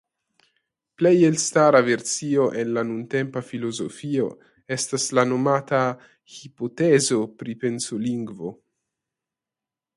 Plej elstara versio en la nuntempa filozofio estas la nomata "hipotezo pri pensolingvo".